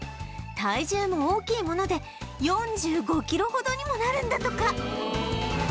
体重も大きいもので４５キロほどにもなるんだとか